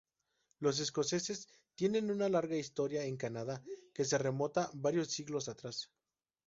Los escoceses tienen una larga historia en Canadá, que se remonta varios siglos atrás.